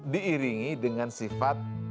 diiringi dengan sifat